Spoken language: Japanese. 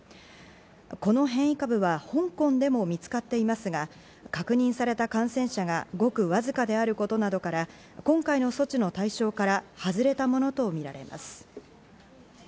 この変異株は香港でも見つかっていますが、確認された感染者がごくわずかであることなどから今回の措置の対象から外れたものとみられます。